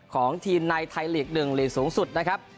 ของทีมในไทยลีก๑หลีกสูงสุดนะครับ